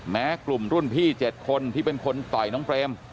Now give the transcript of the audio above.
แม้กลุ่มรุ่นพี่๗คนที่เป็นคนต่อยน้องเปรม